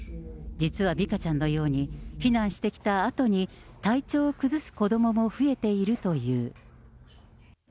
実はビカちゃんのように、避難してきたあとに体調を崩す子どもも増えているという。